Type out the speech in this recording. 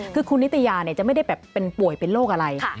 คือคุณนิตยาจะไม่ได้แบบเป็นป่วยเป็นโรคอะไร